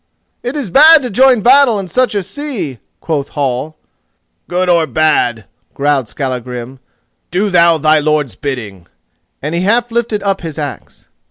"It is bad to join battle in such a sea," quoth Hall. "Good or bad," growled Skallagrim, "do thou thy lord's bidding," and he half lifted up his axe.